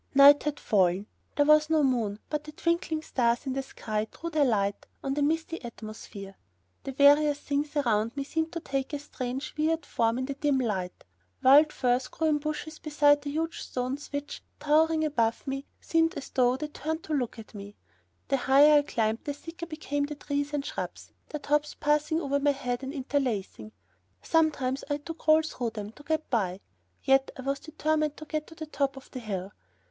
Night had fallen. There was no moon, but the twinkling stars in the sky threw their light on a misty atmosphere. The various things around me seemed to take on a strange, weird form in the dim light. Wild furze grew in bushes beside some huge stones which, towering above me, seemed as though they turned to look at me. The higher I climbed, the thicker became the trees and shrubs, their tops passing over my head and interlacing. Sometimes I had to crawl through them to get by. Yet I was determined to get to the top of the hill.